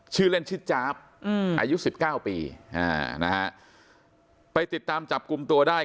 ชื่อเล่นชื่อจาบอายุ๑๙ปีไปติดตามจับกลุ่มตัวได้